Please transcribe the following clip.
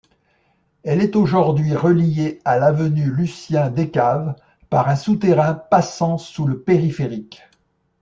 Elle est aujourd'hui reliée à l'avenue Lucien-Descaves par un souterrain passant sous le périphérique.